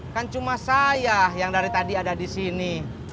kan cuma saya yang dari tadi ada disini